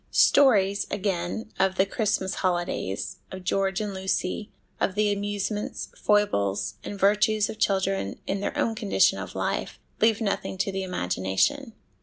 Stories, again, of the Christmas holidays, of George and Lucy, of the amusements, foibles, and virtues of children in their own condition of life, leave nothing to the imagination.